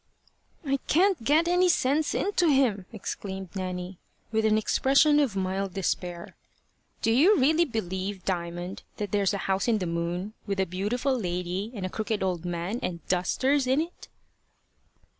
"I can't get any sense into him," exclaimed Nanny, with an expression of mild despair. "Do you really believe, Diamond, that there's a house in the moon, with a beautiful lady and a crooked old man and dusters in it?"